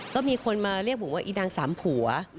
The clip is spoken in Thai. ก็มีคนมาเรียกผมว่าอีนางสามผัว